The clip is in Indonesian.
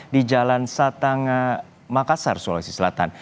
di jalan satanga makassar sulawesi selatan